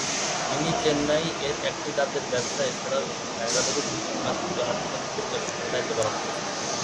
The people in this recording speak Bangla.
তিনি চেন্নাই এর একটি দাঁতের ব্যবসা এবং এছাড়াও তিনি বেঙ্গালুরু ভিত্তিক মাতৃত্ব হাসপাতালের পরিচালক হিসেবে দায়িত্ব পালন করছেন।